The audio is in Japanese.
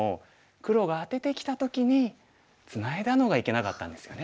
黒がアテてきた時にツナいだのがいけなかったんですよね。